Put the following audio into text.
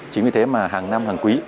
chính vì thế mà hàng năm hàng quý